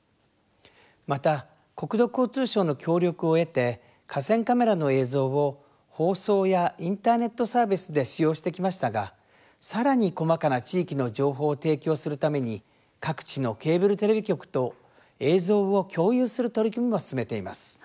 また、国土交通省の協力を得て河川カメラの映像を放送やインターネットサービスで使用してきましたがさらに、細かな地域の情報を提供するために各地のケーブルテレビ局と映像を共有する取り組みも進めています。